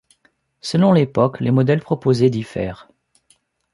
Selon l'époque, les modèles proposés diffèrent.